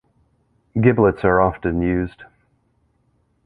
Giblets are often used.